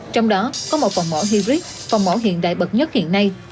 trong đó có một phòng mổ hybrid phòng mổ hiện đại bậc nhất hiện nay